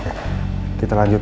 pak nih ruangannya agak dingin